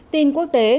tin quốc tế